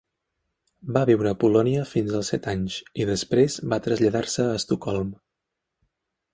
Va viure a Polònia fins als set anys i després va traslladar-se a Estocolm.